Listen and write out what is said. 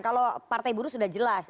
kalau partai buruh sudah jelas